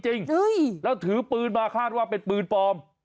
จริงแล้วถือปืนมาคาดว่าเป็นปืนปลอม